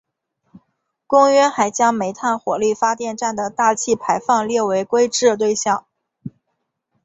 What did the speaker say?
公约还将煤炭火力发电站的大气排放列为规制对象。